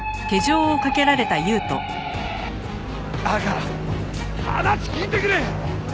だから話聞いてくれ！